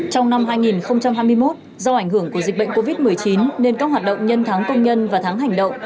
trong năm hai nghìn hai mươi một do ảnh hưởng của dịch bệnh covid một mươi chín nên các hoạt động nhân tháng công nhân và tháng hành động